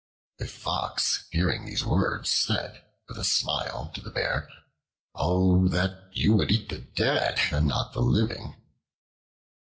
A Fox hearing these words said with a smile to the Bear, "Oh! that you would eat the dead and not the living."